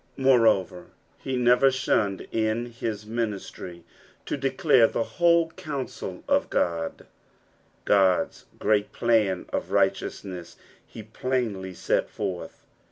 Moreover, he never shunned in his ministry to declare the whole counsel of Ood ; Qod's great plan of rigliteouaness he plainly set forth.